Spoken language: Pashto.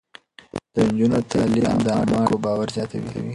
د نجونو تعليم د عامه اړيکو باور زياتوي.